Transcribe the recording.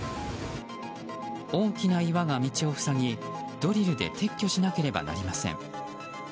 大きな岩が道を塞ぎ、ドリルで撤去しなければなりません。